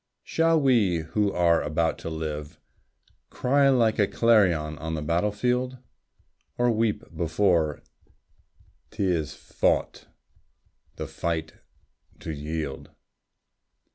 Shall we who are about to live, Cry like a clarion on the battle field? Or weep before 't is fought, the fight to yield?